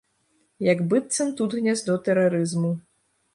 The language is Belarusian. Як быццам тут гняздо тэрарызму.